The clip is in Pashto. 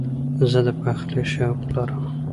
زه د پخلي شوق لرم.